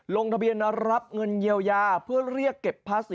ลองดูละกันแล้วถ้าเผื่อไปไข่แทนกันได้